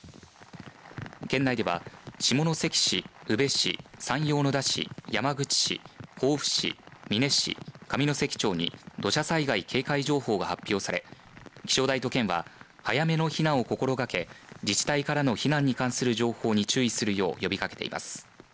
県内では下関市、宇部市山陽小野田市、山口市防府市、美祢市上関町に土砂災害警戒情報が発表され気象台と県は早めの避難を心がけ自治体からの避難に関する情報に注意するよう呼びかけています。